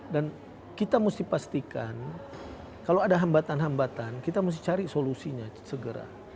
dan kita mesti pastikan kalau ada hambatan hambatan kita mesti cari solusinya segera